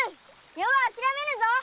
余は諦めぬぞ！